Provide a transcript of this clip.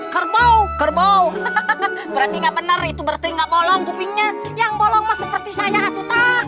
kerbau berarti nggak bener itu berarti nggak bolong kupingnya yang bolong seperti saya